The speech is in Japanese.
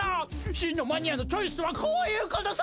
真のマニアのチョイスとはこういうことさ！